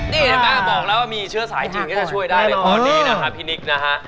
นี่เห็นไหมบอกแล้วว่ามีเชื้อสายจีนก็จะช่วยได้ในข้อนี้นะครับพี่นิกนะฮะ